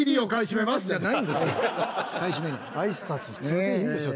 普通でいいんですよ。